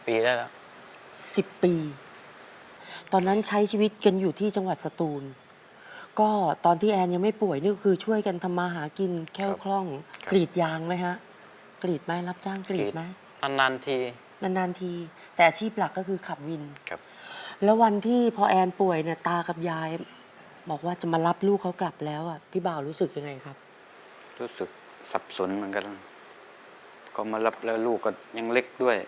สิบปีตอนนั้นใช้ชีวิตกันอยู่ที่จังหวัดสตูนก็ตอนที่แอนยังไม่ป่วยนี่คือช่วยกันทำมาหากินแค่วคล่องกรีดยางไหมฮะกรีดไหมรับจ้างกรีดไหมนานนานทีนานนานทีแต่อาชีพหลักก็คือขับวินครับแล้ววันที่พอแอนป่วยเนี่ยตากับยายบอกว่าจะมารับลูกเขากลับแล้วอ่ะพี่บ่าวรู้สึกยังไงครับรู้สึกสับสนเหมือนกันก็มารับแล้วลูกก็ยังเล็กด้วย